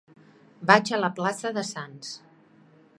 Vaig a la plaça de Sants.